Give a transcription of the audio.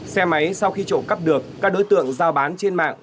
xe máy sau khi trộm cắp được các đối tượng giao bán trên mạng